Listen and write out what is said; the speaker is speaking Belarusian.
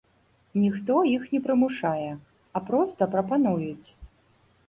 Ніхто іх не прымушае, а проста прапануюць.